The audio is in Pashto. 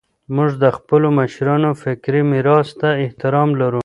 موږ د خپلو مشرانو فکري میراث ته احترام لرو.